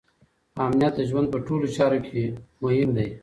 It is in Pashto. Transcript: امنیت د ژوند په ټولو چارو کې مهم دی.